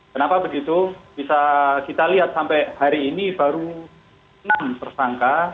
kenapa begitu bisa kita lihat sampai hari ini baru enam tersangka